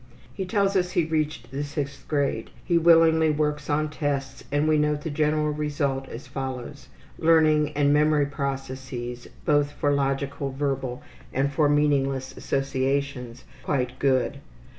He tells us he reached the 6th grade. He willingly works on tests and we note the general result as follows: Learning and memory processes, both for logical verbal and for meaningless associations, quite good.